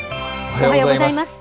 おはようございます。